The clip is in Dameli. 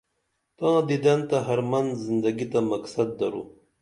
تاں دِدن تہ حرمن زندگی تہ مقصد درو